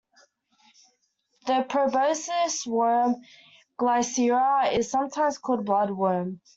The proboscis worm "Glycera" is sometimes called bloodworm.